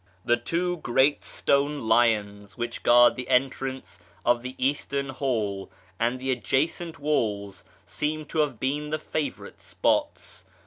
The two great stone lions which guard the entrance of the eastern hall, and the adjacent walls, seem to have been the favourite spots.